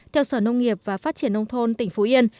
theo sở nông nghiệp và phát triển nông thôn tỉnh phú yên